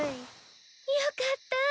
よかった。